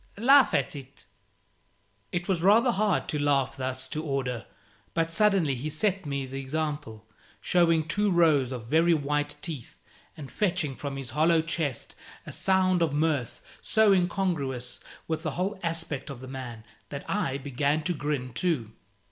Laugh at it." It was rather hard to laugh thus to order; but suddenly he set me the example, showing two rows of very white teeth, and fetching from his hollow chest a sound of mirth so incongruous with the whole aspect of the man, that I began to grin too.